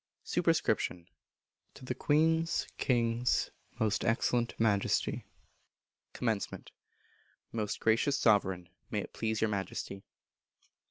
Superscription. To the Queen's (King's) Most Excellent Majesty. Commencement. Most Gracious Sovereign; May it please your Majesty.